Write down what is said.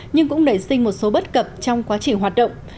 nhưng cũng nảy sinh một số bất cập trong quá trình hoạt động